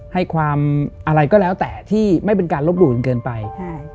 ให้ความอะไรก็แล้วแต่ที่ไม่เป็นการลบหลู่จนเกินไปใช่